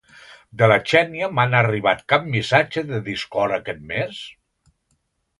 De la Xènia m'han arribat cap missatge de Discord aquest mes?